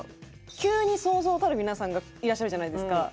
急に錚々たる皆さんがいらっしゃるじゃないですか。